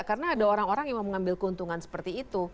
karena ada orang orang yang mau mengambil keuntungan seperti itu